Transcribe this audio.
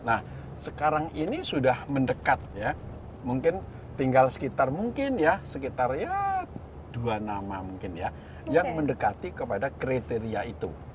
nah sekarang ini sudah mendekat ya mungkin tinggal sekitar mungkin ya sekitar ya dua nama mungkin ya yang mendekati kepada kriteria itu